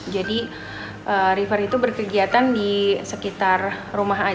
jadi river itu berkegiatan di sekitar rumah ayam